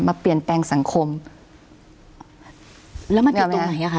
มาเปลี่ยนแปลงสังคมแล้วมันไหนฮะ